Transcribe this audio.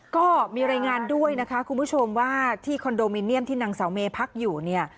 ก็มีรายงานด้วยนะคะคุณผู้ชมว่าที่คอนโดมิเนียมที่นางสาวเมพักอยู่เนี่ย